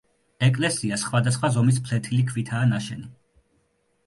ეკლესია სხვადასხვა ზომის ფლეთილი ქვითაა ნაშენი.